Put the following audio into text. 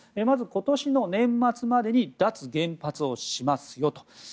まず今年の年末までに脱原発をしますよと。